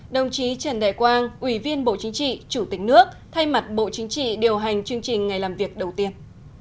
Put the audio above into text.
đồng chí trần đại quang ủy viên bộ chính trị chủ tịch nước thay mặt bộ chính trị điều hành chương trình ngày làm việc đầu tiên